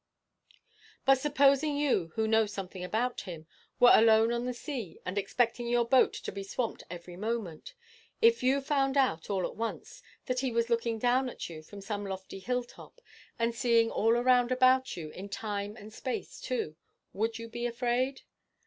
But supposing you, who know something about him, were alone on the sea, and expecting your boat to be swamped every moment if you found out all at once, that he was looking down at you from some lofty hilltop, and seeing all round about you in time and space too, would you be afraid?